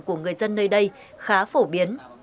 của người dân nơi đây khá phổ biến